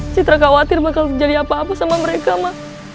citra khawatir bakal jadi apa apa sama mereka ma